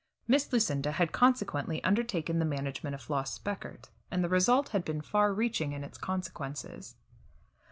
Miss Lucinda had consequently undertaken the management of Floss Speckert, and the result had been far reaching in its consequences.